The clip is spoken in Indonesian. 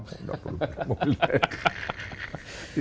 nggak perlu mobil saya